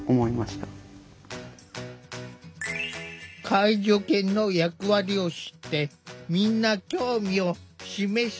介助犬の役割を知ってみんな興味を示してくれた。